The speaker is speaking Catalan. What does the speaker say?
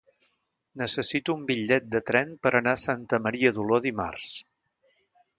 Necessito un bitllet de tren per anar a Santa Maria d'Oló dimarts.